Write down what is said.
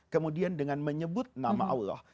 kemudian dengan menyebut nama allah